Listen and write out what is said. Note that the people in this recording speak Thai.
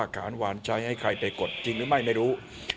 ไม่ได้ว่าขานหวานใช้ให้ใครไปกดจริงหรือไม่ไม่รู้